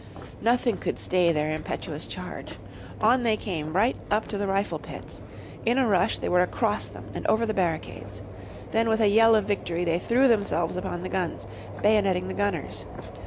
Nothing could stay their impetuous charge. On they came right up to the rifle pits. In a rush they were across them, and over the barricades. Then with a yell of victory they threw themselves upon the guns, bayoneting the gunners.